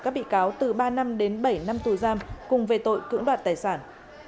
các bị cáo từ ba năm đến bảy năm tù giam cùng về tội cưỡng đoạt tài sản